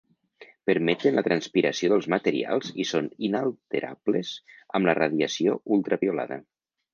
Permeten la transpiració dels materials i són inalterables amb la radiació ultraviolada.